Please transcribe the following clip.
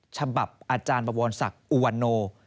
ฉบับอาจารย์บวรศักดิ์อุวันโน